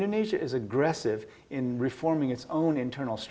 dan kami percaya pekerjaan itu adalah